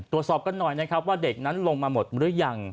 ตรวจสอบกันหน่อยนะครับว่าเด็กนั้นลงมาหมดหรือยัง